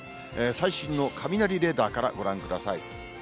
最新の雷レーダーからご覧ください。